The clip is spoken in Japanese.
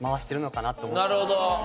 なるほど。